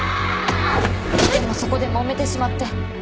でもそこでもめてしまって。